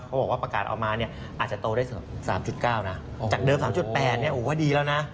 เขาบอกว่าประกาศเอามาเนี่ยอาจจะโตได้สำหรับ๓๙นะจากเดิม๓๘เนี่ยโอ้โฮว่าดีแล้วนะ